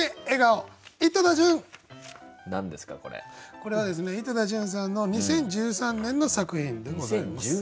これはですね井戸田潤さんの２０１３年の作品でございます。